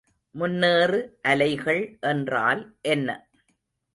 முன்னேறுஅலைகள் என்றால் என்ன?